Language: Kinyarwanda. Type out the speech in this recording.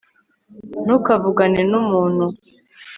ntukavugane numuntu